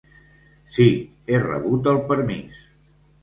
Sí, he rebut el permís!